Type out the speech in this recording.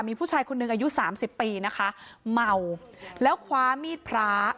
มีผู้ชายคนหนึ่งอายุสามสิบปีนะคะเมาแล้วคว้ามีดพระ